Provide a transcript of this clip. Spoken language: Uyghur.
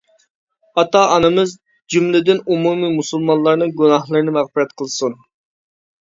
ئاتا-ئانىمىز، جۈملىدىن ئومۇمى مۇسۇلمانلارنىڭ گۇناھلىرىنى مەغپىرەت قىلسۇن.